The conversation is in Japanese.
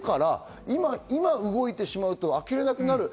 今動いてしまうと明けれなくなる。